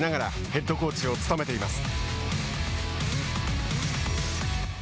ヘッドコーチを務めています。